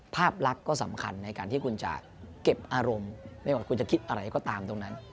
ภาพลักษณ์ก็สำคัญในการที่คุณจะเก็บอารมณ์ไม่ว่าคุณจะคิดอะไรก็ตามตรงนั้น